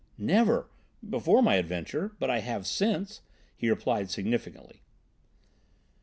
"Never—before my adventure; but I have since," he replied significantly.